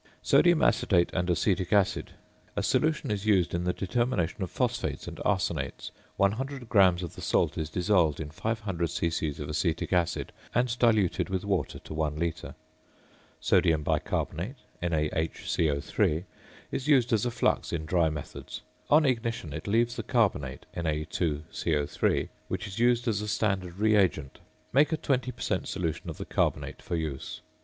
~Sodium Acetate and Acetic Acid.~ A solution is used in the determination of phosphates and arsenates; 100 grams of the salt is dissolved in 500 c.c. of acetic acid, and diluted with water to one litre. ~Sodium Bicarbonate~ (NaHCO_)is used as a flux in dry methods. On ignition it leaves the carbonate (Na_CO_), which is used as a standard reagent. Make a 20 per cent. solution of the carbonate for use.